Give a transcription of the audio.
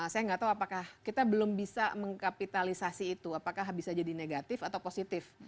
saya nggak tahu apakah kita belum bisa mengkapitalisasi itu apakah bisa jadi negatif atau positif